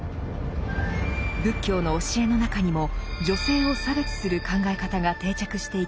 仏教の教えの中にも女性を差別する考え方が定着していきました。